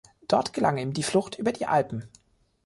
Dort gelang ihm die Flucht über die Alpen.